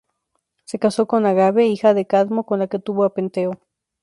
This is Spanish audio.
Se casó con Ágave, hija de Cadmo, con la que tuvo a Penteo.